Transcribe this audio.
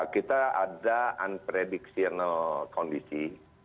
kita ada unpredictable kondisi